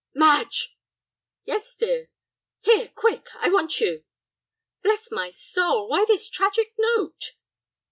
"Madge!" "Yes, dear." "Here, quick, I want you!" "Bless my soul, why this tragic note?"